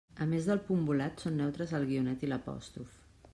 A més del punt volat, són “neutres” el guionet i l'apòstrof.